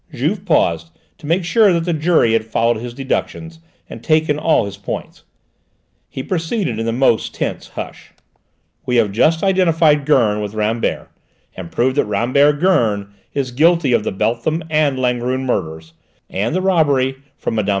Juve paused to make sure that the jury had followed his deductions and taken all his points. He proceeded, in the most tense hush. "We have just identified Gurn with Rambert and proved that Rambert Gurn is guilty of the Beltham and Langrune murders, and the robbery from Mme.